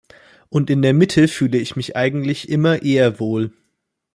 Und in der Mitte fühle ich mich eigentlich immer eher wohl.